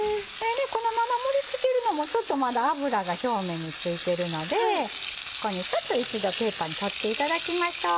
このまま盛り付けるのもまだ脂が表面に付いてるのでここにちょっと一度ペーパーに取っていただきましょう。